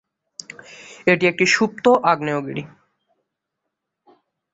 এটি একটি সুপ্ত আগ্নেয়গিরি।